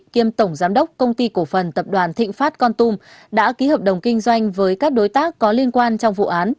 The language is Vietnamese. kiêm tổng giám đốc công ty cổ phần tập đoàn thịnh phát con tum đã ký hợp đồng kinh doanh với các đối tác có liên quan trong vụ án